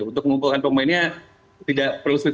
untuk mengumpulkan pemainnya tidak perlu sulit